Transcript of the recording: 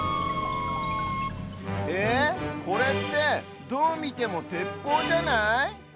えこれってどうみてもてっぽうじゃない？